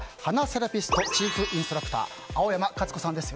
セラピストチーフインストラクター青山克子さんです。